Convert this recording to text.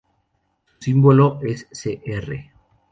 Su símbolo es Cr.